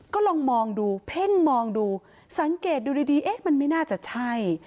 ก็ลองมองดูเพ่งมองดูสังเกตดูดีเอ๊ะมันไม่น่าจะใช่